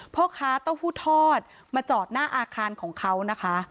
พ่อค้าเต้าหู้ทอดมาจอดหน้าอาคารของเขานะคะ